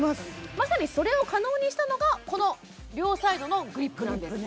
まさにそれを可能にしたのがこの両サイドのグリップなんです